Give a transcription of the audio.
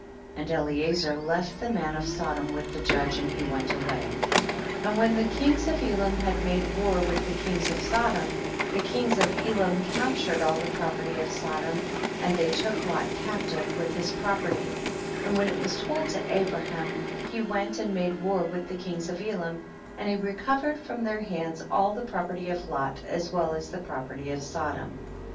22. And Ehezer left the man of Sodom with the judge, and he went away. 23. And when the kings of Elam had made war with the kings of So dom, the kings of EL'im captured all the property of iSodom, and they look Lot captive, with his property, and when it was told to iVbraham he went and made war with the kings of Elam, and he recovered from their hands all the projierty of Lot as well as the property of iSodom.